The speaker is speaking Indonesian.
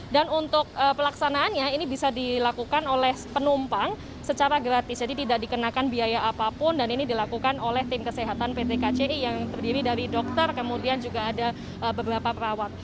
dan untuk pelaksanaannya ini bisa dilakukan oleh penumpang secara gratis jadi tidak dikenakan biaya apapun dan ini dilakukan oleh tim kesehatan pt kci yang terdiri dari dokter kemudian juga ada beberapa perawat